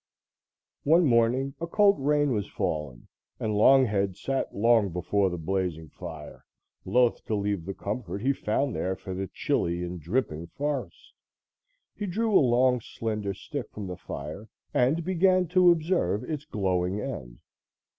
One morning a cold rain was falling and Longhead sat long before the blazing fire, loth to leave the comfort he found there for the chilly and dripping forest. He drew a long slender stick from the fire and began to observe its glowing end.